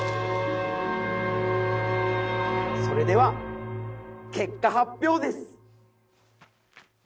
それでは結果発表です。